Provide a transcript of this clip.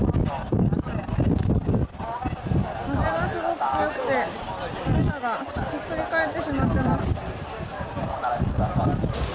風がすごく強くて、傘がひっくり返ってしまっています。